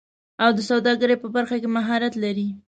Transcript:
او د سوداګرۍ په برخه کې مهارت لري